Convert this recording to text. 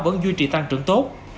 vẫn duy trì tăng trưởng tốt